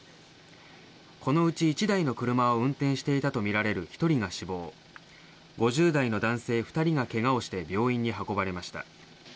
このうち１台の車を運転していたとみられる１人が死亡５０代の男性２人が怪我をして病院に運ばれました。